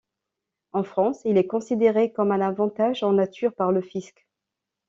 En France, il est considéré comme un avantage en nature par le fisc.